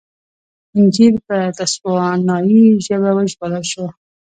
انجییل په تسوانایي ژبه وژباړل شو.